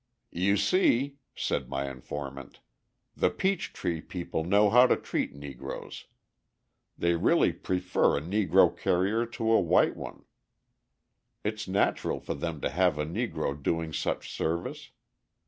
"You see," said my informant, "the Peachtree people know how to treat Negroes. They really prefer a Negro carrier to a white one; it's natural for them to have a Negro doing such service.